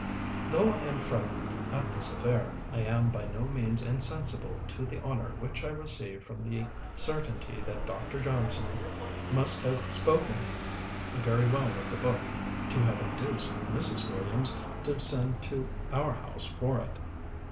'" Though I am frightened at this affair, I am by no means insensible to the honor which I receive from the certainty that Dr. Johnson must have spoken very well of the book, to have induced Mrs. Williams to send to our house for it.